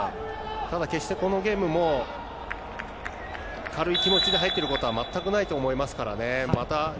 ただ、決してこのゲームも軽い気持ちで入っていることは全くないと思いますからね。